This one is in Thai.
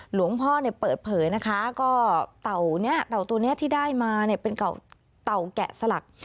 หลวงพ่อเปิดเผยนะคะก็เต่าตัวนี้ที่ได้มาเป็นเก่าเต่าแกะสลัก